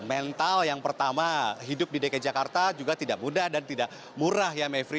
mental yang pertama hidup di dki jakarta juga tidak mudah dan tidak murah ya mevri